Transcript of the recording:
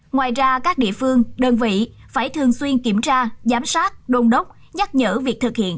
ngoài ra các địa phương đơn vị phải thường xuyên kiểm tra giám sát đôn đốc nhắc nhở việc thực hiện